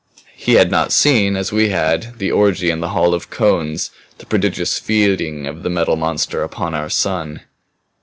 He had not seen, as we had, the orgy in the Hall of the Cones, the prodigious feeding of the Metal Monster upon our sun.